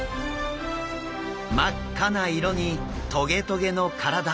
真っ赤な色にトゲトゲの体。